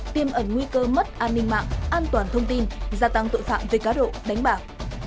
tiêm ẩn nguy cơ mất an ninh mạng an toàn thông tin gia tăng tội phạm về cá độ đánh bạc